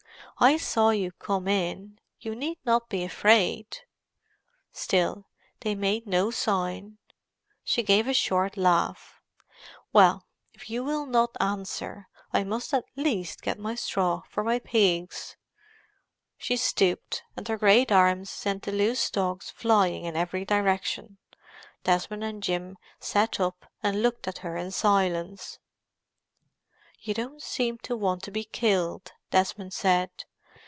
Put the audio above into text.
"I saw you come in. You need not be afraid." Still they made no sign. She gave a short laugh. "Well, if you will not answer, I must at least get my straw for my pigs." She stooped, and her great arms sent the loose stalks flying in every direction. Desmond and Jim sat up and looked at her in silence. "You don't seem to want to be killed," Desmond said.